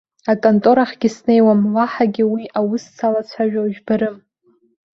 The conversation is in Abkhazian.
Аконторахьгьы снеиуам, уаҳагьы уи аус салацәажәо жәбарым.